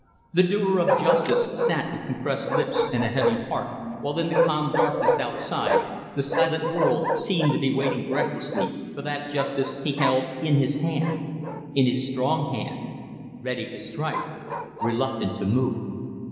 The doer of justice sat with compressed lips and a heavy heart, while in the calm darkness outside the silent world seemed to be waiting breathlessly for that justice he held in his hand in his strong hand: ready to strike reluctant to move.